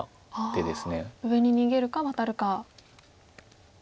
上に逃げるかワタるか。